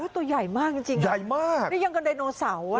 ตัวใหญ่มากจริงอร้อยนี่ยังกับไดโนสัว